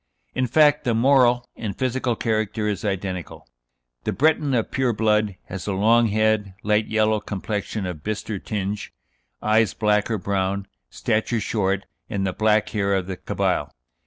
In fact, the moral and physical character is identical. The Breton of pure blood has a long head, light yellow complexion of bistre tinge, eyes black or brown, stature short, and the black hair of the Cabyle.